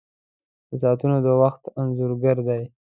• ساعتونه د وخت انځور ګر دي.